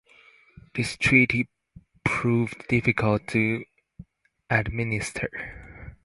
This treaty proved difficult to administer.